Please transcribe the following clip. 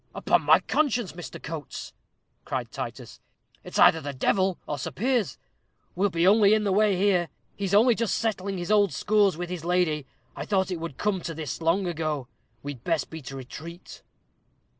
"Upon my conscience, Mr. Coates," cried Titus, "it's either the devil, or Sir Piers. We'll be only in the way here. He's only just settling his old scores with his lady. I thought it would come to this long ago. We'd best beat a retreat."